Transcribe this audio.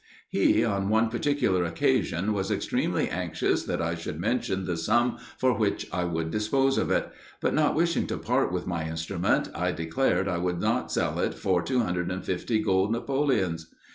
He, on one particular occasion, was extremely anxious that I should mention the sum for which I would dispose of it; but not wishing to part with my instrument, I declared I would not sell it for 250 gold napoleons.